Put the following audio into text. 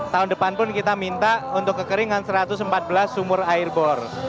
tahun depan pun kita minta untuk kekeringan satu ratus empat belas sumur air bor